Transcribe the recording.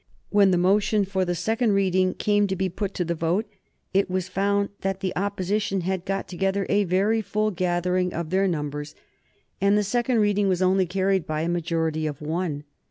When the motion for the second reading came to be put to the vote it was found that the Opposition had got together a very full gathering of their numbers, and the second reading was only carried by a majority of one.